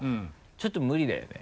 ちょっと無理だよね？